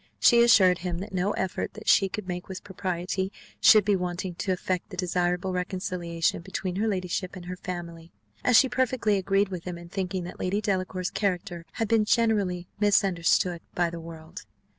She assured him that no effort that she could make with propriety should be wanting to effect the desirable reconciliation between her ladyship and her family, as she perfectly agreed with him in thinking that Lady Delacour's character had been generally misunderstood by the world.